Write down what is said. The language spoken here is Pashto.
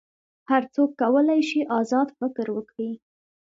هر څوک کولی شي آزاد فکر وکړي.